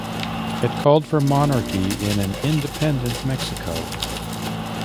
It called for monarchy in an independent Mexico.